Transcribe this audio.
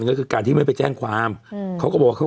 ขอบคุณนะครับขอบคุณนะครับขอบคุณนะครับ